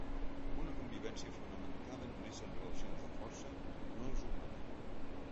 Una convivència fonamentada només en relacions de força, no és humana.